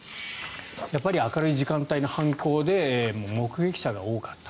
やっぱり明るい時間帯の犯行で目撃者が多かった。